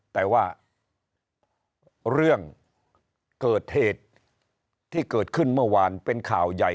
แต่ว่าเรื่องเกิดเหตุที่เกิดขึ้นเมื่อวานเป็นข่าวใหญ่